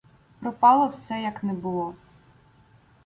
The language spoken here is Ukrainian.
Пропало все, як не було.